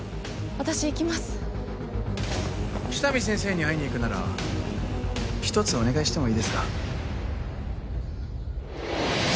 私行きます喜多見先生に会いに行くなら一つお願いしてもいいですか？